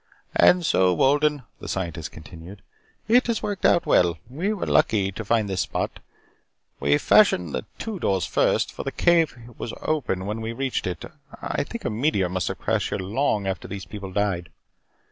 "And so, Wolden," the Scientist continued, "it has worked out well. We were lucky to find this spot. We fashioned the two doors first, for the cave was open when we reached it I think a meteor must have crashed here long after these people died.